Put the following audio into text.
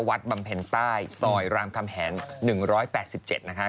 นวัดบำเพ็ญใต้ซอยรามคำแผน๑๘๗นะครับ